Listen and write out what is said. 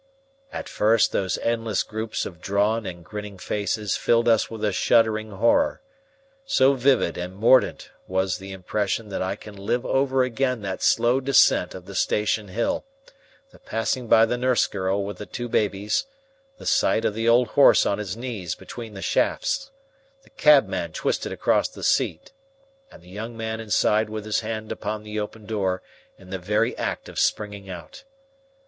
At first those endless groups of drawn and grinning faces filled us with a shuddering horror. So vivid and mordant was the impression that I can live over again that slow descent of the station hill, the passing by the nurse girl with the two babes, the sight of the old horse on his knees between the shafts, the cabman twisted across his seat, and the young man inside with his hand upon the open door in the very act of springing out.